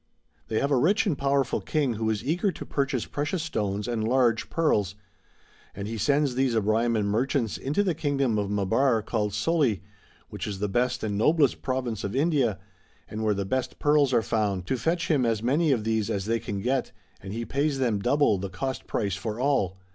They have a rich and powerful King who is eager to purchase precious stones and large pearls ; and he sends these Abraiaman merchants into the kingdom of Maabar called Soli, which is the best and noblest Province of India, and where the best pearls are found, to fetch him as many of these as they can get, and he pays them double the cost price for all.